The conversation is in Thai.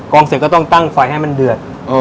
เสร็จก็ต้องตั้งไฟให้มันเดือด